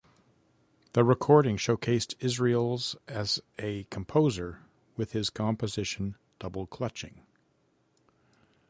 The recording showcased Israels as a composer with his composition "Double Clutching".